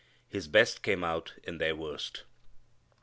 His best came out in their worst.